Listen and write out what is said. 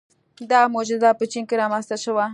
• دا معجزه په چین کې رامنځته شوه.